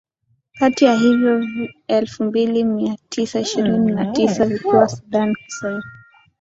kati ya hivyo elfu mbili mia sita ishirini na tisa vikiwa sudan kusini